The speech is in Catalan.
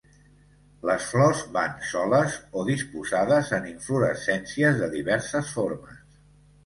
Les flors van soles o disposades en inflorescències de diverses formes.